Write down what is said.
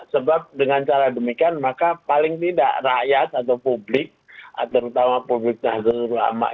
sebab dengan cara demikian maka paling tidak rakyat atau publik terutama publik nahdlatul ulama